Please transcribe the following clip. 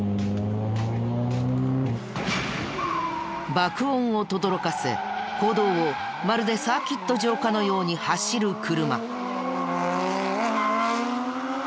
爆音をとどろかせ公道をまるでサーキット場かのように走る車。